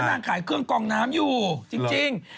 นางขายเครื่องกองน้ำอยู่จริง